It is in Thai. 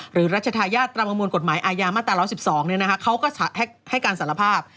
หรือรัชทายาทตรัมมวลกฎหมายอายามตรร๑๑๒เนี่ยนะฮะเขาก็ให้การสารภาพ